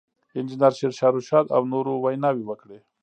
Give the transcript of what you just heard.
انجنیر شېرشاه رشاد او نورو ویناوې وکړې.